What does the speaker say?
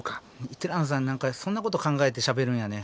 ティラノさん何かそんなこと考えてしゃべるんやね。